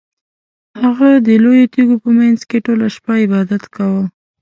هغه د لویو تیږو په مینځ کې ټوله شپه عبادت کاوه.